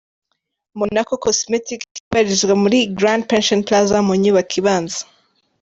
Monaco Cosmetic ibarizwa muri Grand Pension Plaza mu nyubako ibanza.